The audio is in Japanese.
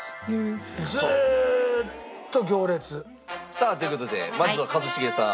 さあという事でまずは一茂さん